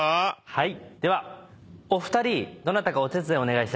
はい。